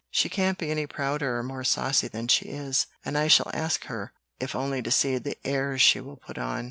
She can't be any prouder or more saucy than she is, and I shall ask her if only to see the airs she will put on."